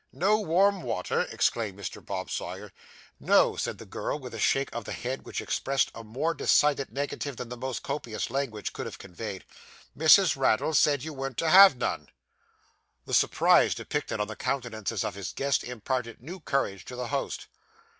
'No warm water!' exclaimed Mr. Bob Sawyer. 'No,' said the girl, with a shake of the head which expressed a more decided negative than the most copious language could have conveyed. 'Missis Raddle said you warn't to have none.' The surprise depicted on the countenances of his guests imparted new courage to the host.